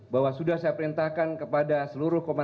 bahwa sudah saya perintahkan kepada seluruh komandan